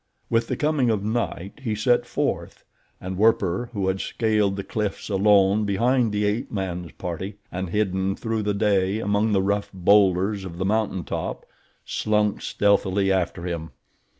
With the coming of night he set forth, and Werper, who had scaled the cliffs alone behind the ape man's party, and hidden through the day among the rough boulders of the mountain top, slunk stealthily after him.